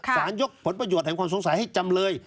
ยกผลประโยชน์แห่งความสงสัยให้จำเลย